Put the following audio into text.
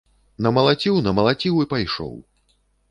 Намалаціў, намалаціў і пайшоў.